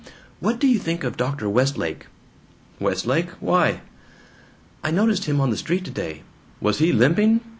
What do you think of Dr. Westlake?" "Westlake? Why?" "I noticed him on the street today." "Was he limping?